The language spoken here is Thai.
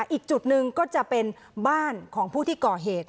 อีกจุดหนึ่งก็จะเป็นบ้านของผู้ที่ก่อเหตุ